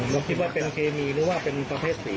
เราคิดว่าเป็นเคมีหรือว่าเป็นประเภทสี